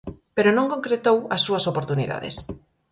Pero non concretou as súas oportunidades.